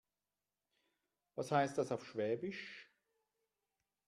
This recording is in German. Was heißt das auf Schwäbisch?